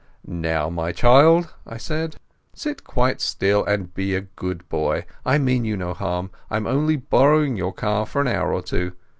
"Now, my child," I said, "sit quite still and be a good boy. I mean you no harm. I'm only borrowing your car for an hour or two.